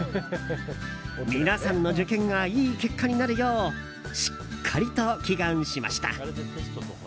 皆さんの受験がいい結果になるようしっかりと祈願しました。